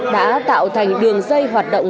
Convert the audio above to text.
đã tạo thành đường dây hoạt động